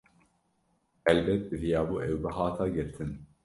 Helbet, diviyabû ew bihata girtin.